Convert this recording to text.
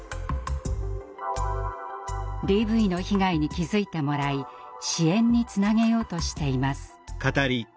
ＤＶの被害に気付いてもらい支援につなげようとしています。